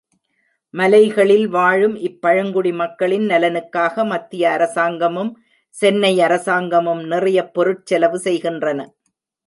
மலைகளில் வாழும் இப் பழங்குடி மக்களின் நலனுக்காக, மத்திய அரசாங்கமும், சென்னை அரசாங்கமும் நிறையப் பொருட் செலவு செய்கின்றன.